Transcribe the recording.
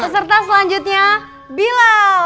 peserta selanjutnya bilal